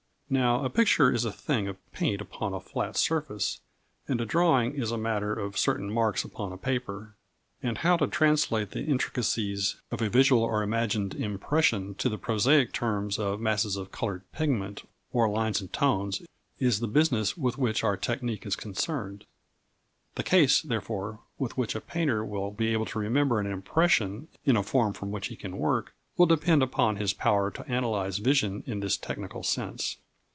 Now a picture is a thing of paint upon a flat surface, and a drawing is a matter of certain marks upon a paper, and how to translate the intricacies of a visual or imagined impression to the prosaic terms of masses of coloured pigment or lines and tones is the business with which our technique is concerned. The ease, therefore, with which a painter will be able to remember an impression in a form from which he can work, will depend upon his power to analyse vision in this technical sense.